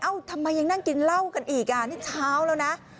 ทำไมยังนั่งกินเหล้ากันอีกอ่ะนี่เช้าแล้วนะ